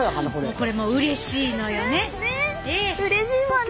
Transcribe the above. これもううれしいのよね。ね！